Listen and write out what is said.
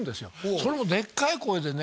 それもでっかい声でね